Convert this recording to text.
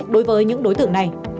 đối với những đối tượng này